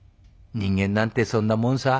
人間なんてそんなもんさ。